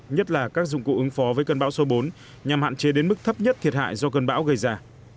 nhất là các dụng cụ ứng phó với cơn bão số bốn nhằm hạn chế đến mức thấp nhất thiệt hại do cơn bão gây ra